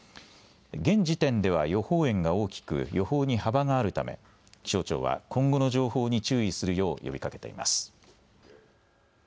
現時点では予報円が大きく予報に幅があるため気象庁は今後の情報に注意するよう呼びかけています。